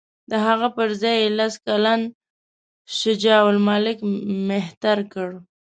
د هغه پر ځای یې لس کلن شجاع الملک مهتر کړ.